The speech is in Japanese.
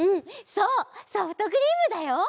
そうソフトクリームだよ！